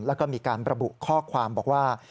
แล้วก็มีการระบุข้อความบอกว่า